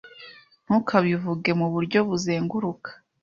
Ntukabivuge muburyo buzenguruka.